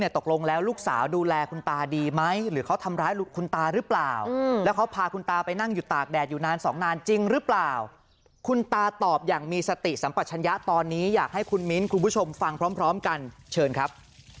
ตอนนี้อยากให้คุณมินทร์คุณผู้ชมฟังพร้อมกันเชิญครับ